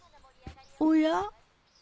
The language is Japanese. おや？